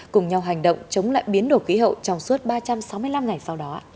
cùng nhau hành động chống lại biến đổi khí hậu trong suốt ba trăm sáu mươi năm ngày sau đó